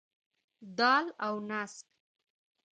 دال او نسک.